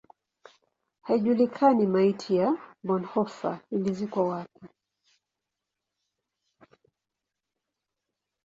Haijulikani maiti ya Bonhoeffer ilizikwa wapi.